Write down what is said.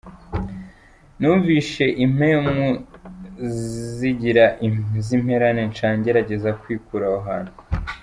Numvise impemu zigira zimperane nca ngerageza kwikura aho hantu.